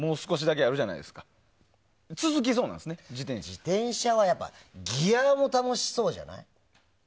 自転車はやっぱギアも楽しそうじゃない？